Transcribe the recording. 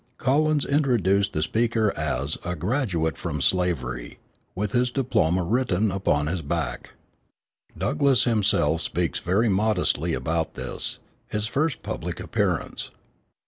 Collins introduced the speaker as "a graduate from slavery, with his diploma written upon his back." Douglass himself speaks very modestly about this, his first public appearance.